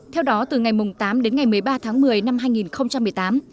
theo đó từ ngày tám đến ngày một mươi ba tháng một mươi năm hai nghìn một mươi tám